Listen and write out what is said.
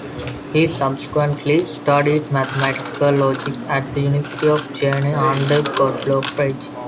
He subsequently studied mathematical logic at the University of Jena under Gottlob Frege.